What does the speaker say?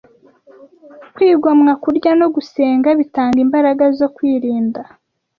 Kwigomwa Kurya no Gusenga Bitanga Imbaraga zo Kwirinda